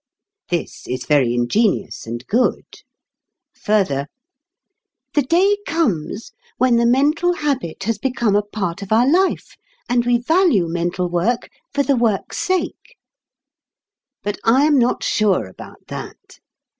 This is very ingenious and good. Further: "The day comes when the mental habit has become a part of our life, and we value mental work for the work's sake." But I am not sure about that.